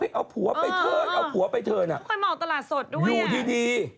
เธอจับเอาผัวไปเทิร์นได้ไหม